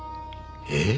えっ？